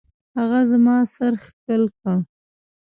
هغه زما سر ښكل كړ.